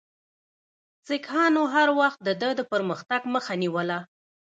سیکهانو هر وخت د ده د پرمختګ مخه نیوله.